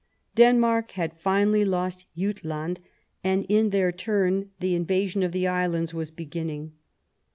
Denmark had finally lost Jutland, and, in their turn, the invasion of the islands was beginning.